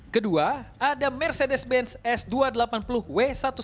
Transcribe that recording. kedua ada mercedes benz s dua ratus delapan puluh w satu ratus sepuluh